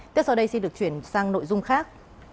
tiếp sau đây xin được chuyển sang nội dung khác